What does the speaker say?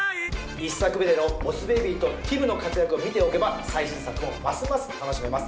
１作目でのボス・ベイビーとティムの活躍を見ておけば最新作もますます楽しめます。